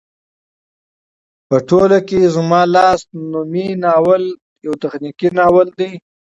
په ټوله کې زما لاس نومی ناول يو تخنيکي ناول دى